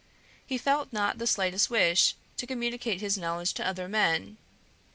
He felt not the slightest wish to communicate his knowledge to other men.